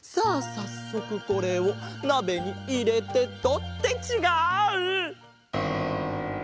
さっそくこれをなべにいれてと。ってちがう！